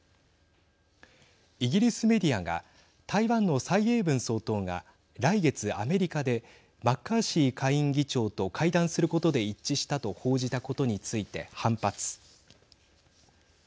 イギリスメディアが台湾の蔡英文総統が来月アメリカでマッカーシー下院議長と会談することで一致したと報じたことについて反発。